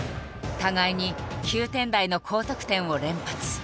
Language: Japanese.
互いに９点台の高得点を連発。